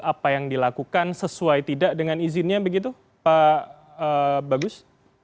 apa yang dilakukan sesuai tidak dengan izinnya begitu pak bagus